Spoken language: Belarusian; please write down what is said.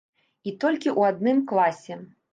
І толькі ў адным класе.